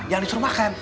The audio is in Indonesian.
jangan disuruh makan